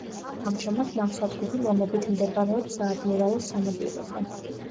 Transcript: ამჟამად ნავსადგური ლომებით მდებარეობს საადმირალოს სანაპიროზე.